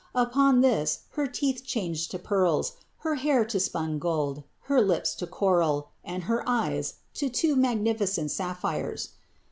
Upon this her teeth changed to pearls, her hair to spun gold, her lips to coral, and her eyes to two magnificent sapphires.